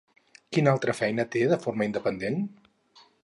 Quina altra feina té de forma independent?